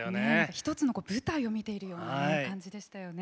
一つの舞台を見ているような感じでしたよね。